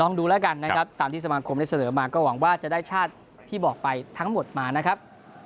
ดูแล้วกันนะครับตามที่สมาคมได้เสนอมาก็หวังว่าจะได้ชาติที่บอกไปทั้งหมดมานะครับ